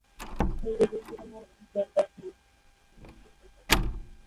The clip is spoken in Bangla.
এর নিজস্ব কোন ক্যাম্পাস নেই।